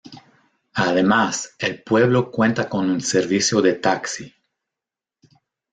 Además, el pueblo cuenta con un servicio de taxi.